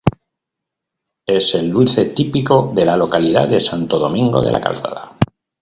Es el dulce típico de la localidad de Santo Domingo de la Calzada.